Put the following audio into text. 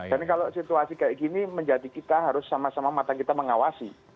dan kalau situasi kayak gini menjadi kita harus sama sama mata kita mengawasi